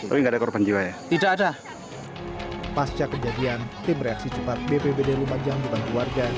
tidak ada korban jiwa ya tidak ada pasca kejadian tim reaksi cepat bppd lumajang di bangun warga